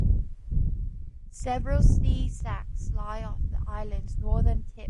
Several sea stacks lie off the island's northern tip.